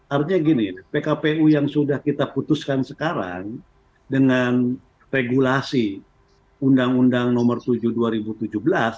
artinya gini pkpu yang sudah kita putuskan sekarang dengan regulasi undang undang nomor tujuh dua ribu tujuh belas